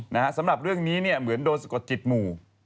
นะฮะสำหรับเรื่องนี้เนี่ยเหมือนโดนสะกดจิตหมู่